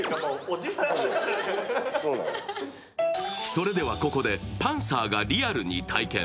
それではここでパンサーがリアルに体験。